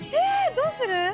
どうする？